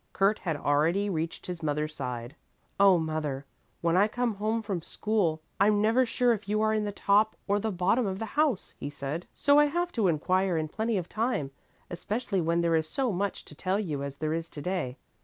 Kurt had already reached his mother's side. "Oh, mother, when I come home from school I'm never sure if you are in the top or the bottom of the house," he said, "so I have to inquire in plenty of time, especially when there is so much to tell you as there is to day.